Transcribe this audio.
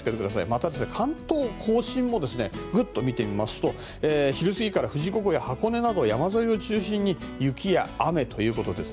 また、関東・甲信もぐっと見てみますと昼過ぎから富士五湖や箱根など山沿いを中心に雪や雨ということです。